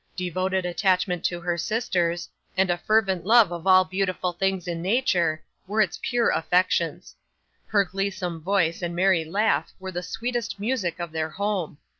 Devoted attachment to her sisters, and a fervent love of all beautiful things in nature, were its pure affections. Her gleesome voice and merry laugh were the sweetest music of their home.